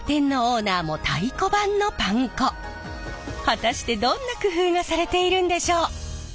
果たしてどんな工夫がされているんでしょう！